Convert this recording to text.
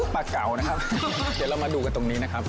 เก่านะครับเดี๋ยวเรามาดูกันตรงนี้นะครับ